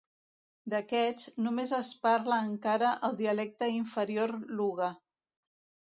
D'aquests, només es parla encara el dialecte inferior luga